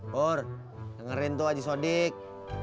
pur dengerin tuh aja sodik